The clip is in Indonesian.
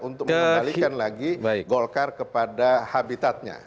untuk mengembalikan lagi golkar kepada habitatnya